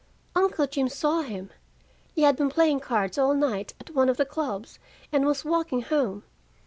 "Uncle Jim saw him. He had been playing cards all night at one of the clubs, and was walking home.